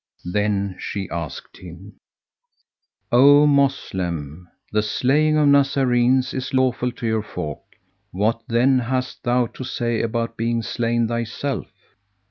Then she asked him, "O Moslem! the slaying of Nazarenes is lawful to you folk; what then hast thou to say about being slain thyself?"